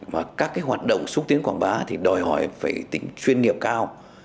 và các hoạt động xúc tiến quảng bá đòi hỏi tính chuyên nghiệp cao